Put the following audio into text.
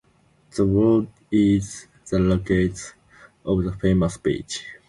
The ward is the location of the famous beach.